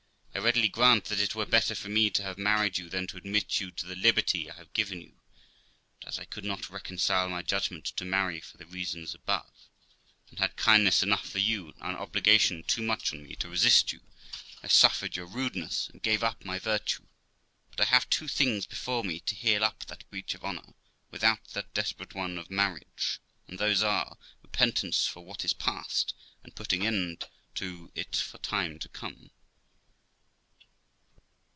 I readily grant that it were better for me to have married you than to admit you to the liberty I have given you, but, as I could not reconcile my judgment to marriage, for the reasons above, and had kindness enough for you, and obligation too much on me to resist you, I suffered your rudeness, and gave up my virtue. But I have two things before me to heal up that breach of honour, without that desperate one of marriage, and those are, repentance for what is past, and putting an end to it for time to come.'